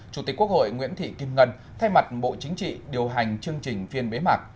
chủ tịch quốc hội nguyễn thị kim ngân thay mặt bộ chính trị điều hành chương trình phiên bế mạc